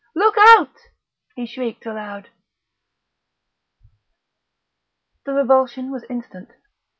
"Look out!" he shrieked aloud.... The revulsion was instant.